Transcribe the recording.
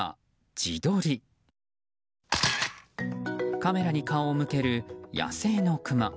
カメラに顔を向ける野生のクマ。